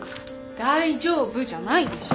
大丈夫じゃないでしょ